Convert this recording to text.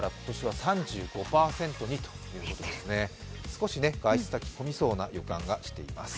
少し外出先、混みそうな予感がしています。